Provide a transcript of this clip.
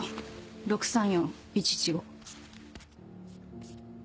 ６３４１１５。